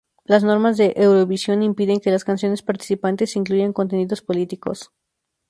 Las normas de Eurovisión impiden que las canciones participantes incluyan contenidos políticos.